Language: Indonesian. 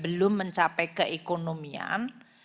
belum mencapai keekonomian